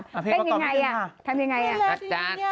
ไม่ใช่เยอะขนาดนั้น